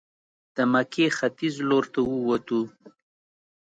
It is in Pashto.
د مکې ختیځ لورته ووتو.